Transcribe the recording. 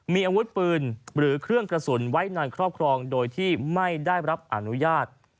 มีอาวุธปืนหรือเครื่องกระสุนไว้ในครอบครองโดยที่ไม่ได้รับอนุญาต